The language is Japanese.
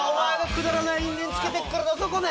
くだらない因縁つけてっからだぞ。